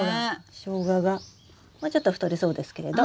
ショウガがもうちょっと太りそうですけれど。